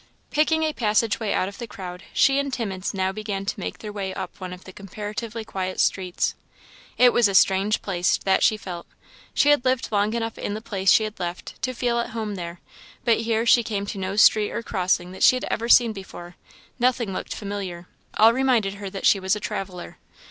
Picking a passage way out of the crowd, she and Timmins now began to make their way up one of the comparatively quiet streets. It was a strange place that she felt. She had lived long enough in the place she had left, to feel at home there: but here she came to no street or crossing that she had ever seen before; nothing looked familiar; all reminded her that she was a traveller.